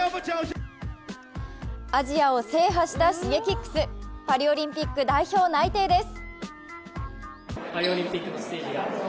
アジアを制覇したＳｈｉｇｅｋｉｘパリオリンピック代表内定です。